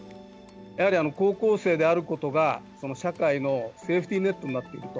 やはり高校生であることが社会のセーフティーネットになっていると。